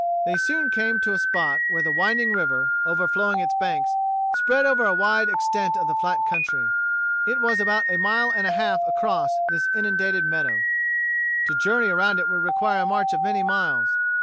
They soon came to a spot where the winding river, overflowing its banks, spread over a wide extent of the flat country. It was about a mile and a half across this inundated meadow. To journey around it would require a march of many miles.